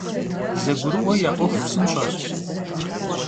ЗэгурыӀуэ я Ӏуэху псынщӀэщ.